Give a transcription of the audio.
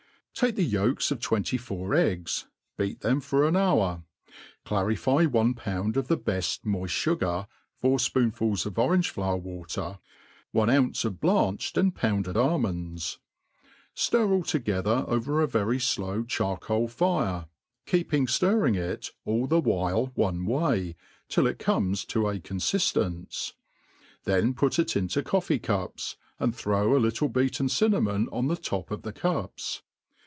. ,TAKE the yolks of twenty four eggs, beat them for an hour ; clarify one pound of the beft moift fugar, four fpoonfuls pf orange flowcr watcr, one ounce of blanched and pounded almonds ; ftir all together over a very flow charcoal fire, kec^ ing Rirring it all the while one way, till it comes to a confid ence; then put it into coffee cups, and throw a little beaten cinnamon on the top of the cups.